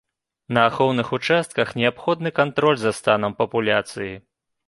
На ахоўных участках неабходны кантроль за станам папуляцый.